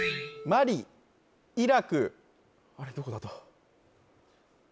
あれどこだ？